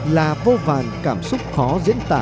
là vô vàn cảm xúc khó diễn tả